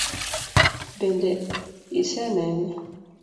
Bende isenene?